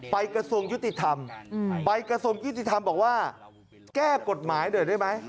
กระทรวงยุติธรรมไปกระทรวงยุติธรรมบอกว่าแก้กฎหมายหน่อยได้ไหม